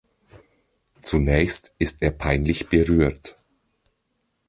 Zunächst ist er peinlich berührt.